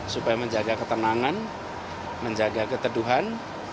supaya menjaga ketenangan menjaga keteduhan